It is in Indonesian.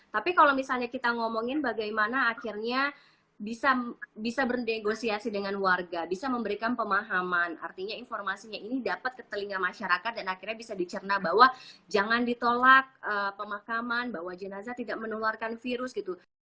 tapi kalau misalnya kita ngomongin bagaimana akhirnya bisa bernegosiasi dengan warga bisa memberikan pemahaman artinya informasinya ini dapat ke telinga masyarakat dan akhirnya bisa dicerna bahwa jangan ditolak pemakaman bahwa jenazah tidak menularkan virus gitu